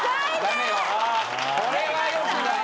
これはよくないな。